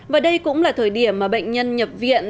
và đây cũng là thời điểm mà bệnh nhân nhập viện